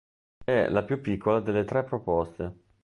È la più piccola delle tre proposte.